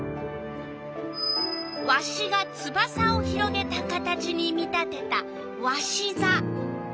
わしがつばさを広げた形に見立てたわしざ。